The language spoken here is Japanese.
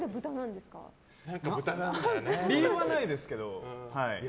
理由はないですけど。